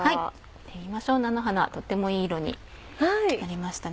見てみましょう菜の花とってもいい色になりましたね。